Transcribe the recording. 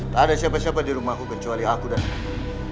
tak ada siapa siapa di rumahku kecuali aku dan aku